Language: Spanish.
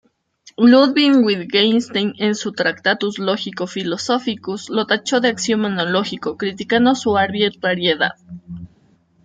Ludwig Wittgenstein, en su Tractatus Logico-Philosophicus, lo tachó de "axioma no-lógico", criticando su arbitrariedad.